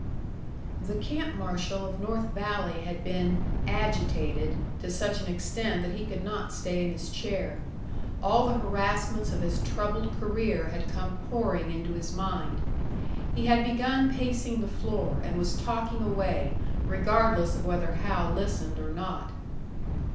The camp marshal of North Valley had been "agitated" to such an extent that he could not stay in his chair. All the harassments of his troubled career had come pouring into his mind. He had begun pacing the floor, and was talking away, regardless of whether Hal listened or not.